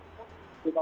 itu di bado